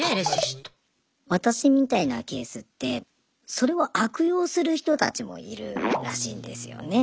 私みたいなケースってそれを悪用する人たちもいるらしいんですよね。